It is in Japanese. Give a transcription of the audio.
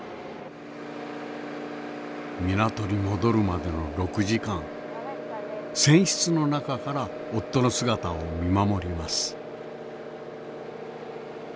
港に戻るまでの６時間船室の中から夫の姿を見守ります。